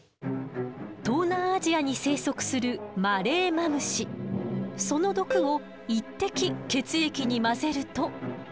東南アジアに生息するその毒を１滴血液に混ぜると。